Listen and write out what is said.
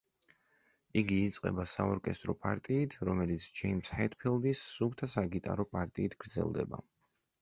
იგი იწყება საორკესტრო პარტიით, რომელიც ჯეიმზ ჰეტფილდის სუფთა საგიტარო პარტიით გრძელდება.